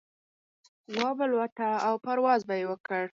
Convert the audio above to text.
وابه لوته او پرواز به يې وکړ.